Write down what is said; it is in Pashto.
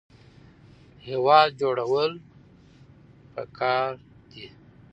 هیواد جوړول پکار دي